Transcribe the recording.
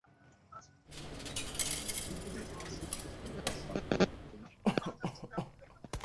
কিন্তু মেয়েদের ক্রিকেট শুরু হয়নি বলে বাধ্য হয়ে ভর্তি হলেন শুটিংয়ে।